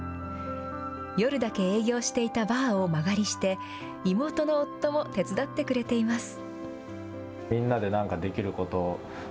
夜だけ営業していたバーを間借りして、妹の夫も手伝ってくれています。